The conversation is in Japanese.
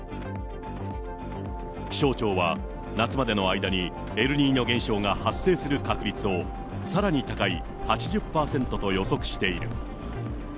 気象庁は、夏までの間にエルニーニョ現象が発生する確率を、さらに高い８０％と予測している。